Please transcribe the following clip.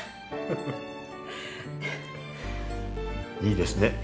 いいですね。